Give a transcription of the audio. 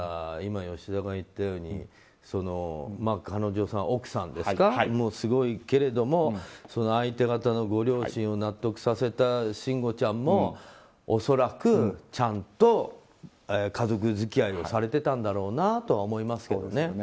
今、吉田が言ったように彼女さん、奥さんですかすごいけれども相手方のご両親を納得させた慎吾ちゃんも恐らく、ちゃんと家族付き合いをされてたんだろうなとは思いますけどね。